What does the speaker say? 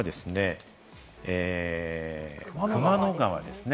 熊野川ですね。